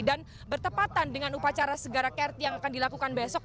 dan bertepatan dengan upacara segara kerti yang akan dilakukan besok